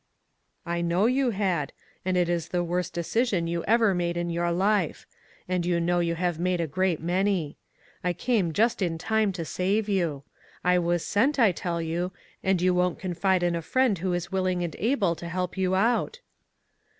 " I know you had ; and it is the worst decision you ever made in your life ; and you know you have made a great many. I came just in time to save you. I was sent, STORM AND CALM. 361 I tell you ; and you won't confide in a friend who is willing and able to help you out."